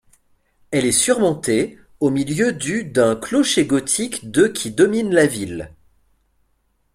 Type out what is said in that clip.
Elle est surmontée, au milieu du d'un clocher gothique de qui domine la ville.